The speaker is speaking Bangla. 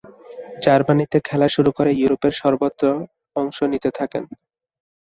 জার্মানিতে খেলা শুরু করে ইউরোপের সর্বত্র অংশ নিতে থাকেন।